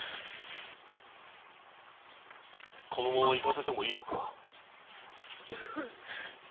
このまま行かせてもいいのか？